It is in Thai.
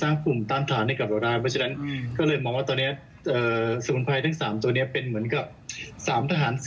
นี่แล้วช่วงนี้เขาศึกษาจริงเรื่องสมุนไพร